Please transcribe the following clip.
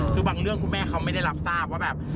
คือบางเรื่องคุณแม่เขาไม่ได้รับทราบว่าแบบ